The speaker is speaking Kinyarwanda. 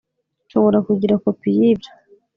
nshobora kugira kopi yibyo